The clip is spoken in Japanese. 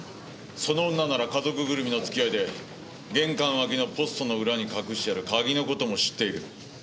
その女なら家族ぐるみの付き合いで玄関脇のポストの裏に隠してある鍵の事も知っている。